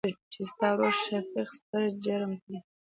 چې ستا ورورشفيق ستر جرم کړى.